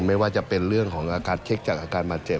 ไม่ว่าจะเป็นเรื่องของอาการเช็คจากอาการบาดเจ็บ